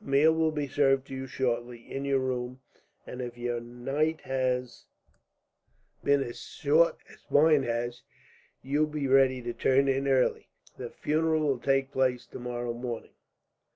A meal will be served to you shortly, in your room; and if your night has been as short as mine has, you will be ready to turn in early. The funeral will take place tomorrow morning."